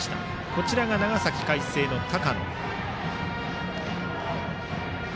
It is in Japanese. こちらが長崎・海星の高野。